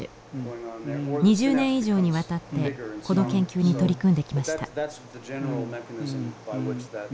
２０年以上にわたってこの研究に取り組んできました。